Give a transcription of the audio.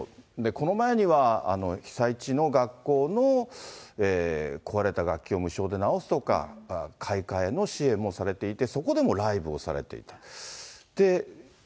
この前には被災地の学校の壊れた楽器を無償で直すとか、買い替えの支援もされていて、そこでもライブをされていた。